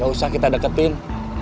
gak usah kita deketin